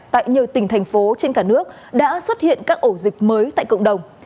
tại nhiều tỉnh thành phố trên cả nước đã xuất hiện các ổ dịch mới tại cộng đồng